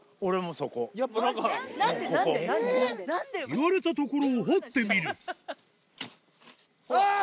言われた所を掘ってみるあぁ！